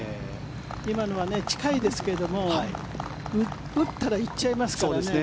今のは近いですけれども打ったら行っちゃいますからね。